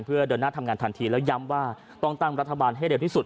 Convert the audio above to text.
เพื่อเดินหน้าทำงานทันทีแล้วย้ำว่าต้องตั้งรัฐบาลให้เร็วที่สุด